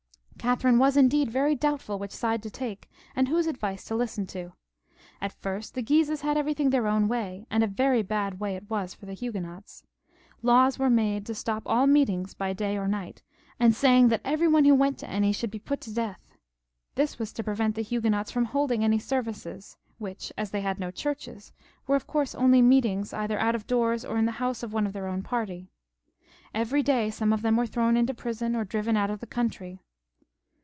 Catherine was indeed very doubtful which side to take, and whose advice to listen to. At first the Guises had everything their own way, and a very bad way it was for the Huguenots. Laws were made to stop all meetings by day or night, and saying that every one who went to any should be put to death. This was to prevent the Huguenots from holding any services, which, as they had no churches, were of course only meetings either out of doors, or in the house of one of their own party. Every day some of them were thrown into prison or driven out of the country.